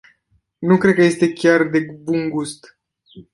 Nu cred că este chiar de bun-gust.